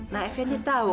nek fendi tahu